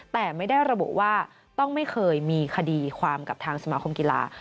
แต่ไม่ได้ระบุว่าต้องไม่เคยมีคดีความกับทางสมาคมกีฬา